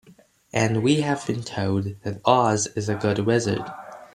And we have been told that Oz is a good Wizard.